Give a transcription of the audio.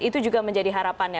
itu juga menjadi harapannya